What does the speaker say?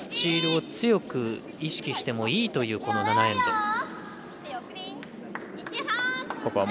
スチールを強く意識してもいいという７エンド。